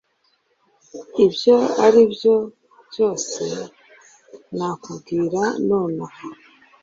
ibyo aribyo byose nakubwira nonaha